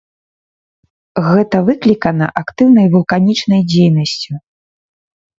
Гэта выклікана актыўнай вулканічнай дзейнасцю.